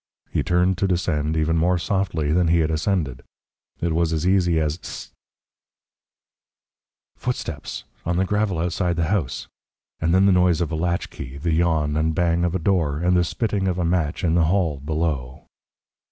He turned to descend even more softly than he had ascended. It was as easy as Hist!... Footsteps! On the gravel outside the house and then the noise of a latchkey, the yawn and bang of a door, and the spitting of a match in the hall below.